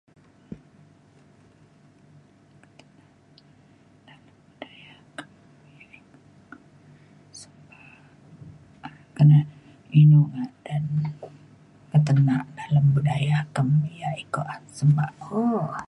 inu ngadan ketena’ dalem budaya kem ia’ iko semba. um